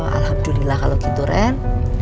alhamdulillah kalau gitu ren